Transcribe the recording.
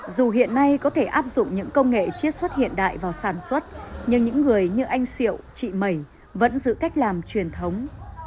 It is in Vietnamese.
dù hiện nay có thể áp dụng những công nghệ chiết xuất hiện đại vào sản xuất nhưng những người như anh siệu chị mẩy vẫn giữ cách làm truyền thống